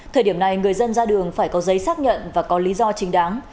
thời điểm này người dân ra đường phải có giấy xác nhận và có lý do chính đáng